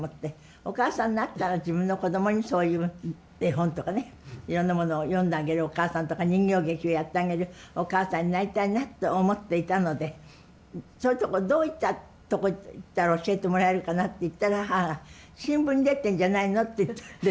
お母さんになったら自分のこどもにそういう絵本とかねいろんなものを読んであげるお母さんとか人形劇をやってあげるお母さんになりたいなと思っていたのでそういうとこどういったとこ行ったら教えてもらえるかなって言ったら母が新聞に出てんじゃないのって言って。